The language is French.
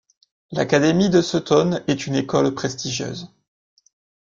L'académie de Sutton est une école prestigieuse.